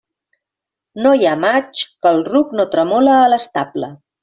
No hi ha maig que el ruc no tremole a l'estable.